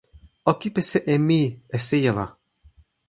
o kipisi e mi e sijelo.